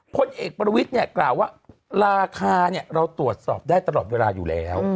พลเอกประวิทย์เนี่ยกล่าวว่าราคาเราตรวจสอบได้ตลอดเวลาอยู่แล้ว